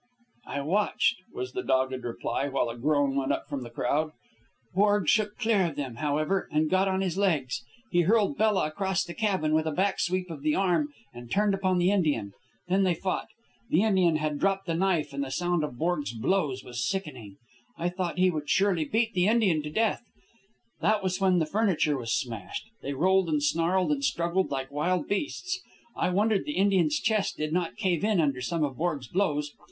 "I watched," was the dogged reply, while a groan went up from the crowd. "Borg shook clear of them, however, and got on his legs. He hurled Bella across the cabin with a back sweep of the arm and turned upon the Indian. Then they fought. The Indian had dropped the knife, and the sound of Borg's blows was sickening. I thought he would surely beat the Indian to death. That was when the furniture was smashed. They rolled and snarled and struggled like wild beasts. I wondered the Indian's chest did not cave in under some of Borg's blows.